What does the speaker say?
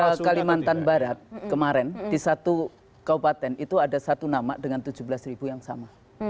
kalau kalimantan barat kemarin di satu kabupaten itu ada satu nama dengan tujuh belas ribu yang sama